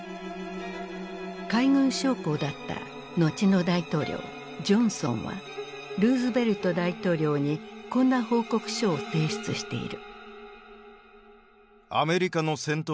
海軍将校だった後の大統領ジョンソンはルーズベルト大統領にこんな報告書を提出している。